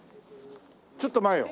ちょっと前よ。